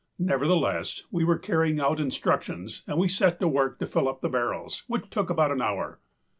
Nevertheless, we were carrying out instructions and we set to work to fill up the barrels, which took about an hour.